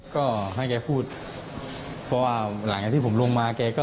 ก็ให้แกพูดพอหลังจากที่ผมลงมาแกก็